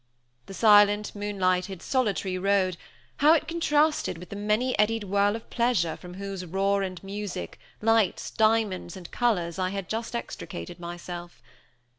The silent, moonlighted, solitary road, how it contrasted with the many eddied whirl of pleasure from whose roar and music, lights, diamonds and colors I had just extricated myself.